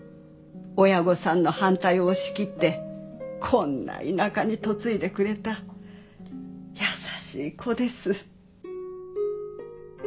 親御さんの反対を押し切ってこんな田舎に嫁いでくれた優しい子です。